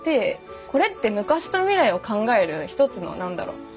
これって昔と未来を考える一つの何だろう交差点というか。